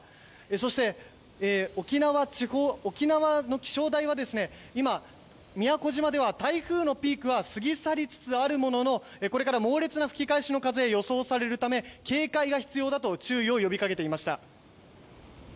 そして、沖縄の気象台は今、宮古島では台風のピークは過ぎ去りつつあるもののこれから猛烈な吹き返しの風が予想されるため警戒が必要だと注意を呼び掛けていました。